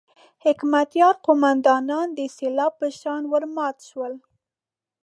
حکمتیار قوماندانان د سېلاب په شان ورمات شول.